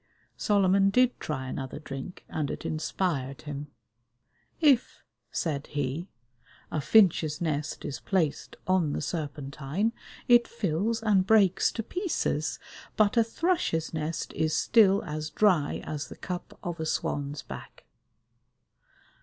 Solomon did try another drink, and it inspired him. "If," said he, "a finch's nest is placed on the Serpentine it fills and breaks to pieces, but a thrush's nest is still as dry as the cup of a swan's back."